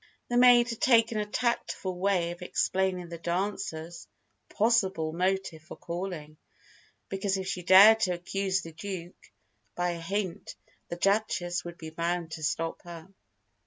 The maid had taken a tactful way of explaining the dancer's (possible) motive for calling; because if she dared to accuse the Duke by a hint, the Duchess would be bound to stop her.